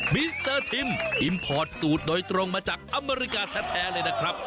มิสเตอร์ทิมอิมพอร์ตสูตรโดยตรงมาจากอเมริกาแท้เลยนะครับ